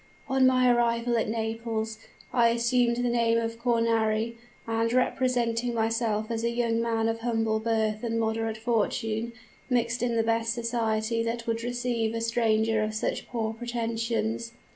"On my arrival at Naples I assumed the name of Cornari, and, representing myself as a young man of humble birth and moderate fortune, mixed in the best society that would receive a stranger of such poor pretensions.